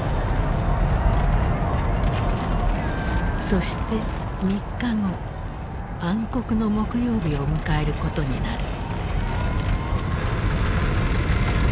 そして３日後暗黒の木曜日を迎えることになる。